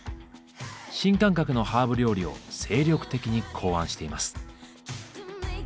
新感覚のハーブ料理を精力的に考案しています。